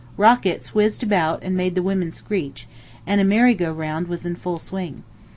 Rockets whizzed about and made the women screech, and a merry go round was in full swing.